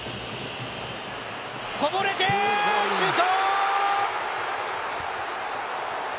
こぼれて、シュート！